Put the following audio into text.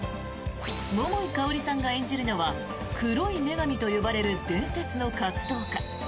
桃井かおりさんが演じるのは黒い女神と呼ばれる伝説の活動家。